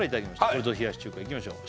これぞ冷やし中華いきましょう